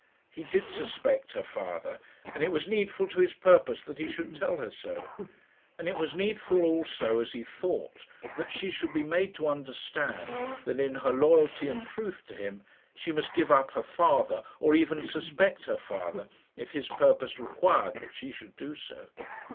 He did suspect her father, and it was needful to his purpose that he should tell her so; and it was needful also, as he thought, that she should be made to understand that in her loyalty and truth to him she must give up her father, or even suspect her father, if his purpose required that she should do so.